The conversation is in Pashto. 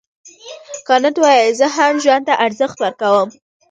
کانت وویل زه هم ژوند ته ارزښت ورکوم.